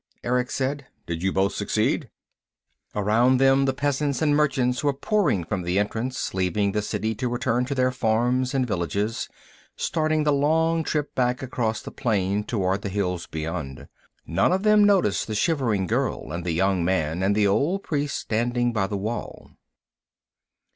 Erick said. "Did you both succeed?" Around them peasants and merchants were pouring from the entrance, leaving the City to return to their farms and villages, starting the long trip back across the plain toward the hills beyond. None of them noticed the shivering girl and the young man and the old priest standing by the wall.